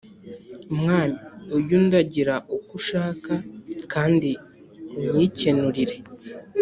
mwami; ujye undagira uku ushaka kandiunyikenurire.